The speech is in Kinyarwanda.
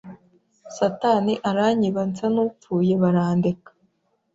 satani aranyiba nsa nupfuye barandeka